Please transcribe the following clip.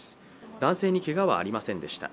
男性にけがはありませんでした。